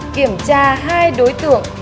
kiểm tra hai đối tượng